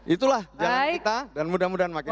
itulah jalan kita dan mudah mudahan makin